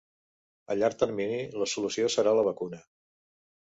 A llarg termini, la solució serà la vacuna.